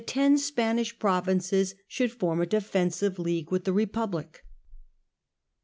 ten Spanish provinces should form a defensive league with the Republic.